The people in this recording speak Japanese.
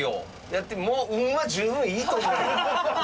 もう運は十分いいと思うけど。